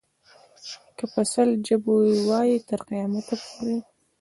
که په سل ژبو یې وایې تر قیامته پورې.